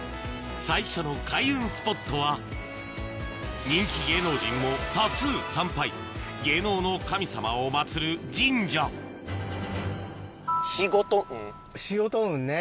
最初の開運スポットは人気芸能人も多数参拝芸能の神様を祭る神社仕事運ね。